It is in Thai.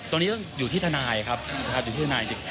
ตรงนี้ต้องอยู่ที่ทนายครับอยู่ที่ทนาย